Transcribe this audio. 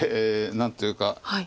何というか。